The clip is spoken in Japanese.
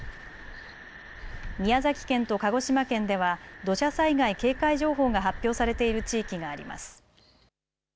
宮崎県と鹿児島県では土砂災害警戒情報が発表されている地域があります。